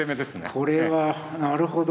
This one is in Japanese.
これはなるほど。